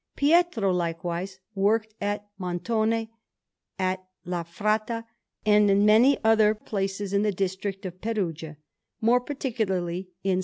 Pietro likewise worked at Montone, at La Fratta, and in many other places in the district of Perugia; more particularly in S.